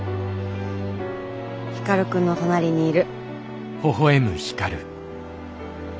光くんの隣にいる。